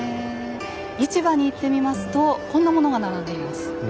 市場に行ってみますとこんなものが並んでいます。